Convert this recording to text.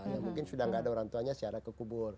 ya mungkin sudah gak ada orang tuanya sejarah kekubur